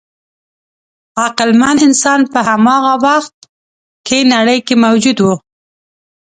عقلمن انسان په هماغه وخت کې نړۍ کې موجود و.